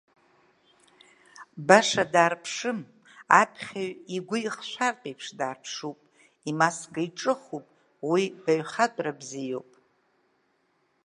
Баша даарԥшым, аԥхьаҩ игәы ихшәартә еиԥш даарԥшуп, имаска иҿыхуп, уи баҩхатәра бзиоуп.